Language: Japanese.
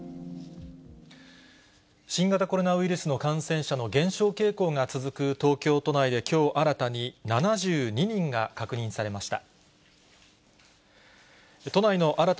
新型コロナウイルスの感染者の減少傾向が続く東京都内できょう新たに、７２人が確認されました。